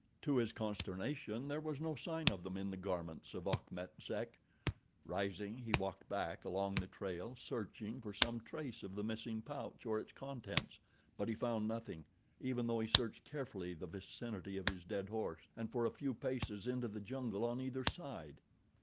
To his consternation, there was no sign of them in the garments of Achmet Zek. Rising, he walked back along the trail, searching for some trace of the missing pouch or its contents; but he found nothing, even though he searched carefully the vicinity of his dead horse, and for a few paces into the jungle on either side.